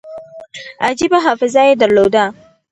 عجیبه حافظه یې درلوده.